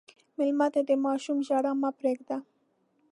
مېلمه ته د ماشوم ژړا مه پرېږده.